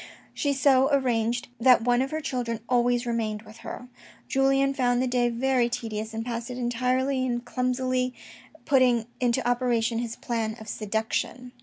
She so arranged it that one of her children always remained with her. Julien found the day very tedious, and passed it entirely in clumsily putting into operation his plan of seduction.